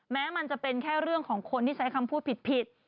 แม้มันจะเป็นแค่เรื่องของคนที่ใช้คำพูดผิด